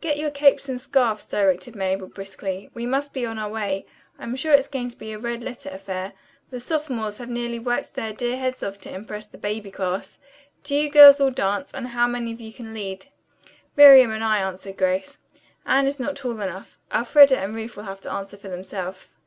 "Get your capes and scarfs," directed Mabel briskly. "We must be on our way. I'm sure it's going to be a red letter affair. The sophomores have nearly worked their dear heads off to impress the baby class. Do you girls all dance, and how many of you can lead?" "Miriam and I," answered Grace. "Anne is not tall enough. Elfreda and Ruth will have to answer for themselves."